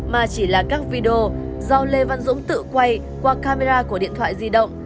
mà chỉ là các video do lê văn dũng tự quay qua camera của điện thoại di động